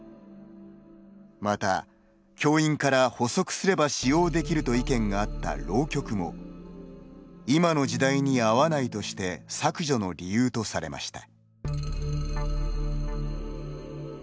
また教員から、補足すれば使用できると意見があった浪曲も今の時代に合わないとして削除の理由とされました。